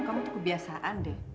kamu tuh kebiasaan deh